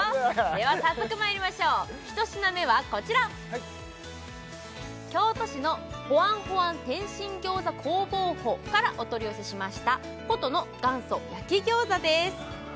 では早速まいりましょう１品目はこちら京都市のほぁんほぁん点心餃子工房舗からお取り寄せしました古都の元祖焼餃子です